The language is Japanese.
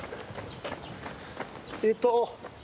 えっと